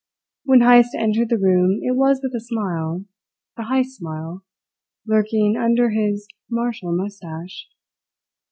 When Heyst entered the room it was with a smile, the Heyst smile, lurking under his martial moustache.